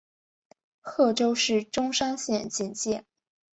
贺州市钟山县简介